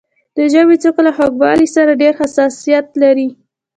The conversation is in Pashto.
د ژبې څوکه له خوږوالي سره ډېر حساسیت لري.